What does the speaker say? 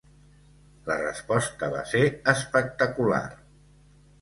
La resposta va ser espectacular.